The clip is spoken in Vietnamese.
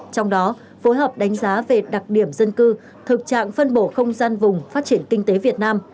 trong đó phối hợp đánh giá về đặc điểm dân cư thực trạng phân bổ không gian vùng phát triển kinh tế việt nam